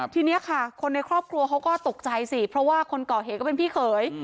ทีนี้ค่ะคนในครอบครัวเขาก็ตกใจสิเพราะว่าคนก่อเหตุก็เป็นพี่เขย